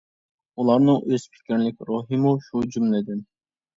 ئۇلارنىڭ ئۆز پىكىرلىك روھىمۇ شۇ جۈملىدىن.